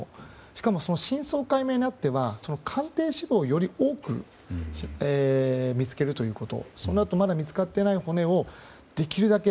しかも真相解明に当たっては鑑定資料をより多く見つけるということそのあと、まだ見つかっていない骨をできるだけ。